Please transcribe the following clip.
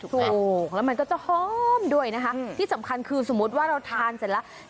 ถูกแล้วมันก็จะหอมด้วยนะคะที่สำคัญคือสมมุติว่าเราทานเสร็จแล้ว